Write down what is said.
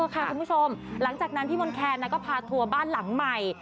คุณผู้ชมหลังจากนั้นพี่มนต์แคนก็พาทัวร์บ้านหลังใหม่